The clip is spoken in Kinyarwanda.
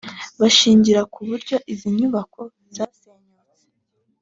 bashingira ku buryo izi nyubako zasenyutse